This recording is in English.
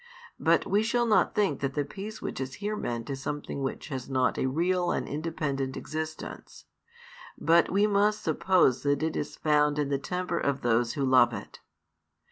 And we shall not think that the peace which is here meant is something which has not a real and independent existence; but we must suppose that it is found in the temper of those who love it.